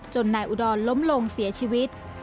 นายอุดรล้มลงเสียชีวิต